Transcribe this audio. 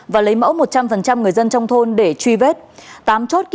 và lấy mẫu một trăm linh người dân trong thôn để truy vết